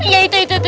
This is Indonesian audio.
ya itu itu itu